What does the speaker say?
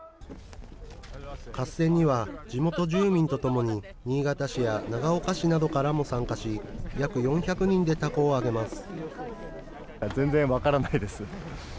合戦には、地元住民とともに、新潟市や長岡市などからも参加し、約４００人でたこを揚げます。